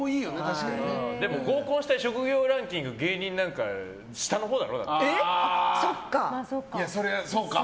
合コンしたい職業ランキング芸人なんか下のほうだろ。